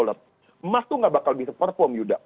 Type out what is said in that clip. emas tuh gak bakal bisa perform yuda